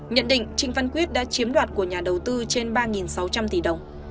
nhận định trịnh văn quyết đã chiếm đoạt của nhà đầu tư trên ba sáu trăm linh tỷ đồng